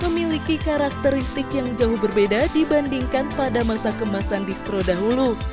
memiliki karakteristik yang jauh berbeda dibandingkan pada masa kemasan distro dahulu